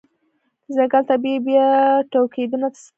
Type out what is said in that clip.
د ځنګل طبيعي بیا ټوکیدنه څه ته وایې؟